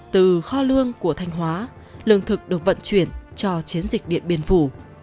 từ kho lương của thanh hóa lương thực được vận chuyển cho chiến dịch điện biên phủ